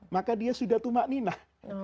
maka dia sudah tumakninah